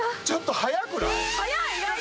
ちょっと速くない？